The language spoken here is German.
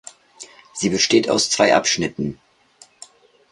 Sie besteht aus zwei Abschnitten.